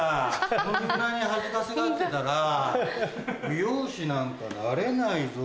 そんなに恥ずかしがってたら美容師なんかなれないぞ。